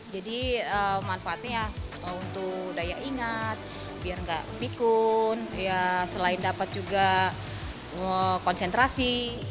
jadi manfaatnya untuk daya ingat biar tidak mikun selain dapat juga konsentrasi